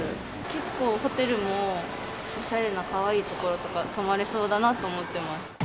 結構ホテルもおしゃれなかわいい所とか泊まれそうだなと思っ